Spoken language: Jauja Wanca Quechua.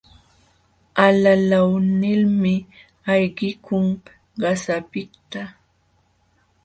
Alalaw nilmi ayqikun qasapiqta.